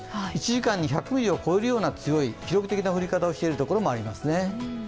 １時間に１００ミリを超えるような記録的な降り方をしているところもありますね。